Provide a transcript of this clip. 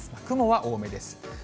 雲は多めです。